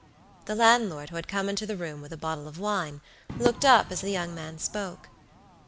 The landlord, who had come into the room with a bottle of wine, looked up as the young man spoke.